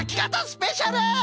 スペシャル！